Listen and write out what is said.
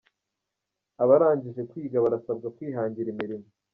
Abarangije kwiga barasabwa kwihangira imirimo